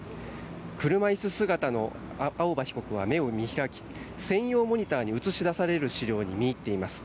車椅子姿の青葉被告は目を見開き専用モニターに映し出される資料に見入っています。